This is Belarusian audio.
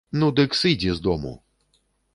Ну, дык сыдзі з дому.